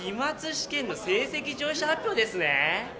試験の成績上位者発表ですね。